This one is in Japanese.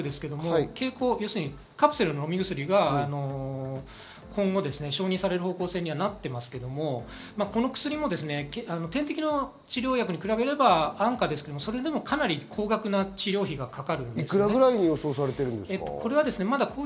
経口薬、カプセルの飲み薬が今後、承認される方向性にはなっていますが、この薬も点滴の治療薬に比べれば安価ですけれど、かなり高額な治療費がかかります。